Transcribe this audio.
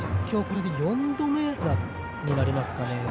今日これで４度目ですかね。